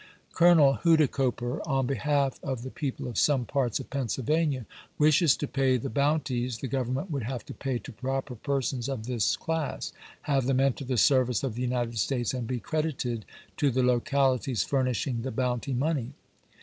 Colonel Huidekoper, on behalf of the people of some parts of Pennsylvania, wishes to pay the bounties the Government would have to pay to proper persons of this class, have them enter the service of the United States, and be credited to the localities furnishing the bounty money.